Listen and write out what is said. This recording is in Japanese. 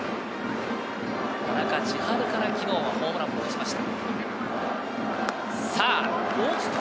田中千晴からホームランを昨日打ちました。